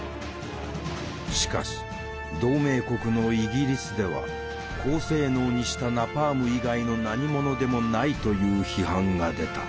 しかし同盟国のイギリスでは「高性能にしたナパーム以外の何ものでもない」という批判が出た。